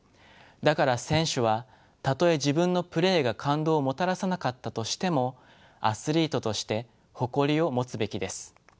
だから選手はたとえ自分のプレーが感動をもたらさなかったとしてもアスリートとして誇りを持つべきです。